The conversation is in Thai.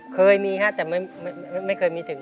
เคยมีฮะแต่ไม่เคยมีถึง